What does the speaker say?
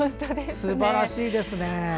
すばらしいですね。